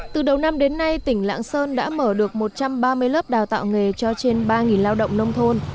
từ đầu năm đến nay tỉnh lạng sơn đã mở được một trăm ba mươi lớp đào tạo nghề cho trên ba lao động nông thôn